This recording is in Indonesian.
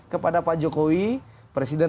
kepada pak jokowi presiden